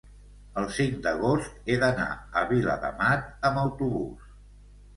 el cinc d'agost he d'anar a Viladamat amb autobús.